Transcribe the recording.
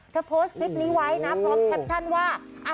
โพสต์คลิปนี้ไว้นะพร้อมแคปชั่นว่า